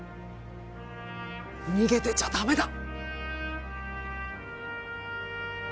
逃げてちゃダメだ！